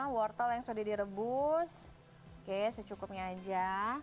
wortel yang sudah direbus oke secukupnya aja